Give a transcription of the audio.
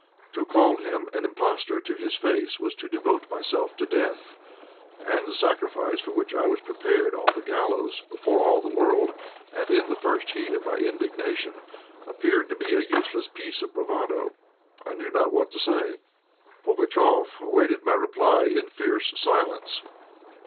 To call him an impostor to his face was to devote myself to death; and the sacrifice for which I was prepared on the gallows, before all the world, and in the first heat of my indignation, appeared to me a useless piece of bravado. I knew not what to say. Pugatchéf awaited my reply in fierce silence.